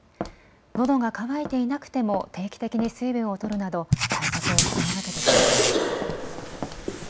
のどが渇いていなくても定期的に水分をとるなど対策を心がけてください。